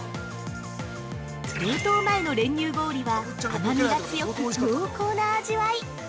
◆冷凍前の練乳氷は甘みが強く濃厚な味わい。